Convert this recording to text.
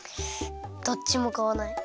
どっちもかわない。